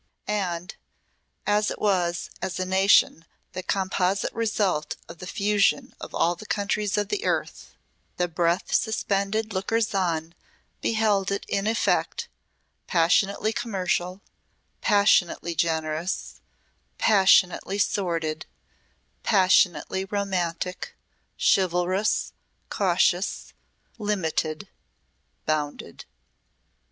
And, as it was as a nation the composite result of the fusion of all the countries of the earth, the breath suspended lookers on beheld it in effect, passionately commercial, passionately generous, passionately sordid, passionately romantic, chivalrous, cautious, limited, bounded.